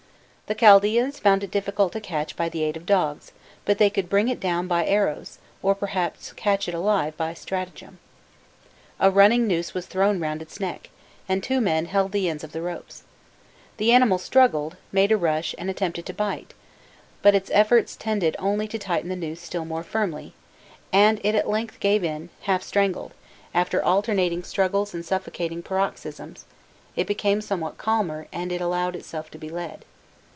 The Chaldaeans found it difficult to catch by the aid of dogs, but they could bring it down by arrows, or perhaps catch it alive by stratagem. A running noose was thrown round its neck, and two men held the ends of the ropes. The animal struggled, made a rush, and attempted to bite, but its efforts tended only to tighten the noose still more firmly, and it at length gave in, half strangled; after alternating struggles and suffocating paroxysms, it became somewhat calmer, and allowed itself to be led.